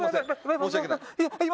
申し訳ない。